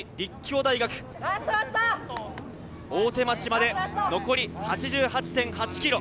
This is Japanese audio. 大手町まで残り８８．８ｋｍ。